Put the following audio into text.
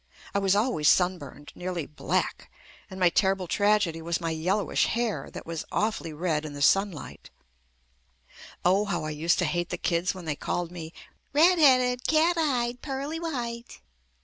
I was always sunburned nearly black and my terrible trag edy was my yellowish hair that was awfully red in the sunlight. Oh how I used to hate the kids when they called me "Red headed, cat eyed, Pearly White."